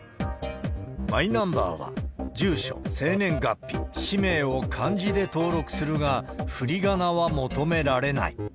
マイナンバーは、住所、生年月日、氏名を漢字で登録するが、ふりがなは求められない。